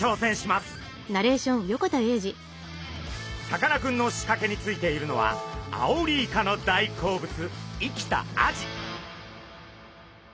さかなクンのしかけについているのはアオリイカの大好物生きたアジ。